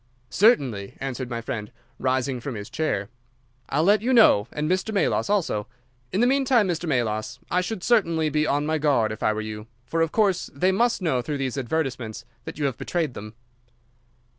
"Certainly," answered my friend, rising from his chair. "I'll let you know, and Mr. Melas also. In the meantime, Mr. Melas, I should certainly be on my guard, if I were you, for of course they must know through these advertisements that you have betrayed them."